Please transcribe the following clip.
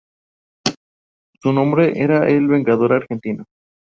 Su nombre será el Vengador Argentino"".